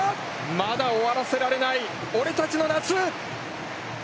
まだ終わらせられない俺たちの夏。